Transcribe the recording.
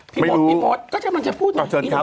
พี่มดก็จะบังเจอพูด